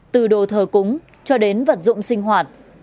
từ đồ thờ cúng cho đến vật dụng sinh hoạt